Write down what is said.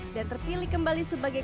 dan terpilih kembali sebagai